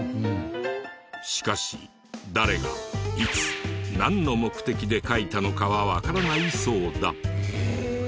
しかし誰がいつなんの目的で書いたのかはわからないそうだ。